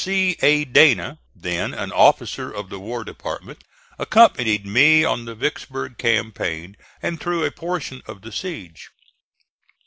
C. A. Dana, then an officer of the War Department, accompanied me on the Vicksburg campaign and through a portion of the siege.